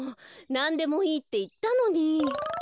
「なんでもいい」っていったのに！